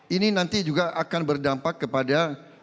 ini nanti juga akan berdampak kepada